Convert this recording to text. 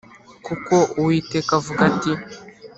, kuko Uwiteka avuga ati